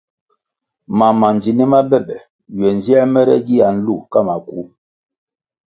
Mam ma ndzinih ma be be ywe nziē mere gia nlu ka maku.